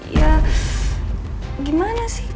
ya gimana sih kesel